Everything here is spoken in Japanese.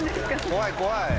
怖い怖い。